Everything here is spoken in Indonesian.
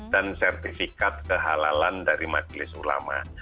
dan sertifikat kehalalan dari majelis ulama